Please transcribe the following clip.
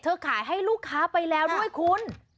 ขายให้ลูกค้าไปแล้วด้วยคุณ